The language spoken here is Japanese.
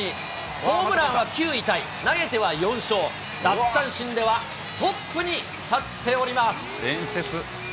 ホームランは９位タイ、投げては４勝、奪三振ではトップ伝説。